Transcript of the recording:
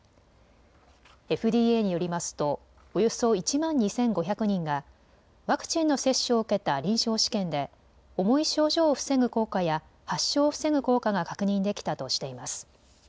ＦＤＡによりますとおよそ１万２５００人がワクチンの接種を受けた臨床試験で重い症状を防ぐ効果や発症を防ぐ効果が確認できたとしています。